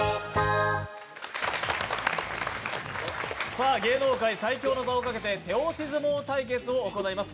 さあ、芸能界最強の座をかけて手押し相撲対決を行います。